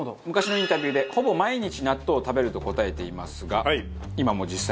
昔のインタビューでほぼ毎日納豆を食べると答えていますが。